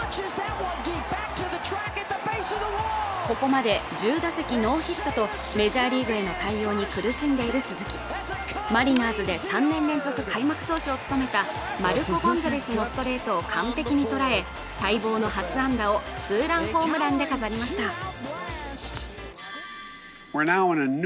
ここまで１０打席ノーヒットとメジャーリーグへの対応に苦しんでいる鈴木マリナーズで３年連続開幕投手を務めたマルコ・ゴンザレスのストレートを完璧にとらえ待望の初安打をツーランホームランで飾りました